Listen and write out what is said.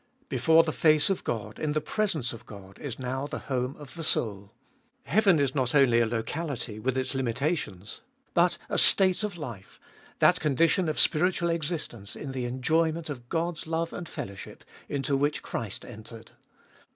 Before the face of God, in the presence of God, is now the home of the soul. Heaven is not only a locality, with its limitations, but a state of life, that condition of spiritual existence in the full enjoyment of God's love and fellowship, into which Christ entered.